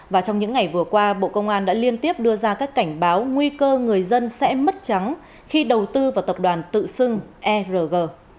và trong những ngày vừa qua bộ công an đã liên tiếp đưa ra các cảnh báo nguy cơ người dân sẽ mất trắng khi đầu tư vào tập đoàn tự xưng erg